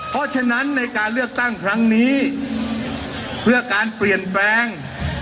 เพราะฉะนั้นในการเลือกตั้งครั้งนี้เพื่อการเปลี่ยนแปลง